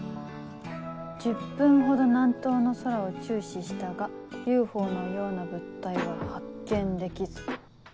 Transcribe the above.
「１０分ほど南東の空を注視したがＵＦＯのような物体は発見できず」。